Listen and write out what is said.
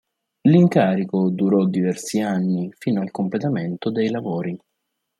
L'incarico durò diversi anni, fino al completamento dei lavori.